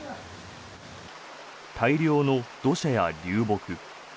大量の土砂や流木